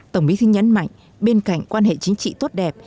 tổng bí thư nhấn mạnh bên cạnh quan hệ chính trị tốt đẹp